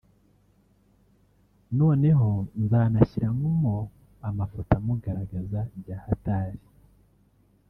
“…Noneho nzanashyiramo amafoto amugaragaza bya hatali